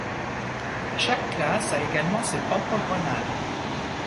Chaque classe a également ses propres grenades.